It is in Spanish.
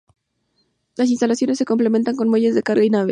Las instalaciones se completan con muelles de carga y naves.